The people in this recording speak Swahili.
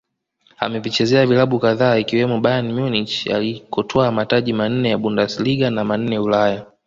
Amevichezea vilabu kadhaa ikiwemo Bayern Munich alikotwaa mataji manne ya Bundersliga na manne Ulaya